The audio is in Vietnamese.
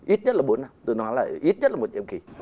ít nhất là bốn năm tôi nói là ít nhất là một nhiệm kỳ